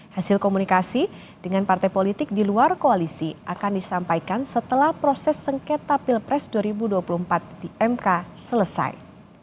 hasil komunikasi dengan partai politik di luar koalisi akan disampaikan setelah proses sengketa pilpres dua ribu dua puluh empat di mk selesai